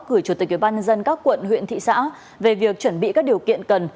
gửi chủ tịch ubnd các quận huyện thị xã về việc chuẩn bị các điều kiện cần